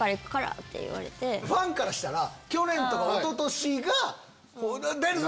ファンからしたら去年とか一昨年が出るぞ！